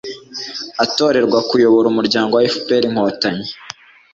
atorerwa kuyobora Umuryango FPR-Inkotanyi